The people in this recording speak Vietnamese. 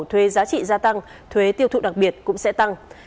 thuế giá trị gia tăng thuế tiêu thụ đặc biệt cũng sẽ tăng